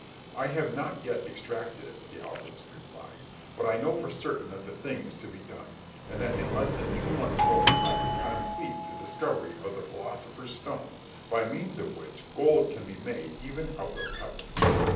"I have not yet extracted it," the alchemist replied, "but I know for certain that the thing is to be done, and that in less than two months more I could complete the discovery of the philosopher's stone, by means of which gold can be made even out of pebbles."